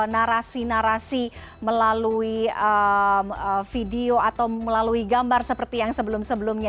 narasi narasi melalui video atau melalui gambar seperti yang sebelum sebelumnya